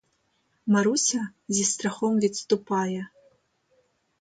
Маруся, зі страхом відступає.